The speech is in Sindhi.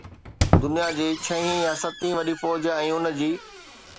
دنيا جي ڇهين يا ستين وڏي فوج ۽ ان جي